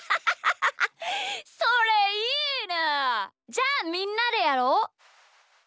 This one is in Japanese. じゃあみんなでやろう。